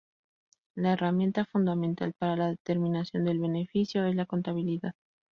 La herramienta fundamental para la determinación del beneficio es la contabilidad.